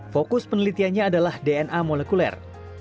fokus penelitiannya adalah dna molekuler